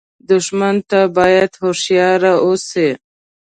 دښمن ته باید هوښیار اوسې